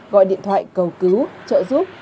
gọi điện thoại cầu cứu trợ giúp